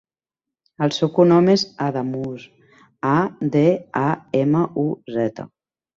El seu cognom és Adamuz: a, de, a, ema, u, zeta.